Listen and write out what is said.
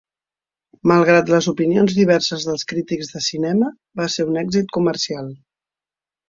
Malgrat les opinions diverses dels crítics de cinema, va ser un èxit comercial.